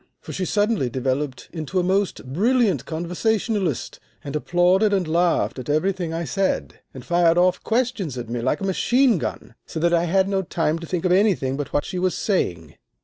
For she suddenly developed into a most brilliant conversationalist, and applauded and laughed at everything I said, and fired off questions at me like a machine gun, so that I had no time to think of anything but of what she was saying.